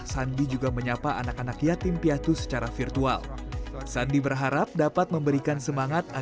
sandiaga uno juga menyampaikan beasiswa kepada sepuluh anak yatim